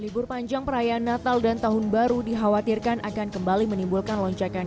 libur panjang perayaan natal dan tahun baru dikhawatirkan akan kembali menimbulkan lonjakan